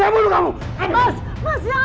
saya bunuh kamu saya bunuh kamu